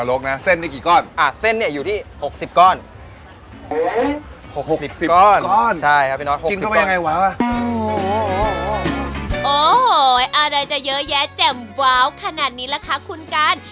โอ้โหอร่อยจะเยอะแยะแจ่มว้าวขนาดนี้แหละค่ะคุณการ